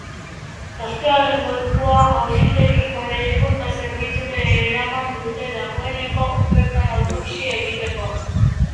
Gaztearen gorpua auzitegiko medikuntza zerbitzura eraman dute dagoeneko, bertan autopsia egiteko.